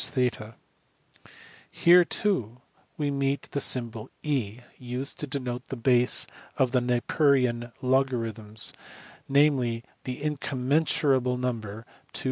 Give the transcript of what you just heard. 85, 90, 93] we meet the symbol e used to de note the base of the Napierian logarithms, namely, the incom mensurable number 271828...